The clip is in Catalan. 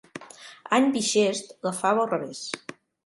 Any bixest, la fava al revés.